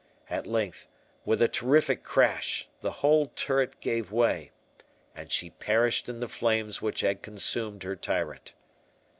At length, with a terrific crash, the whole turret gave way, and she perished in the flames which had consumed her tyrant.